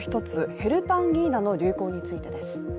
ヘルパンギーナの流行についてです。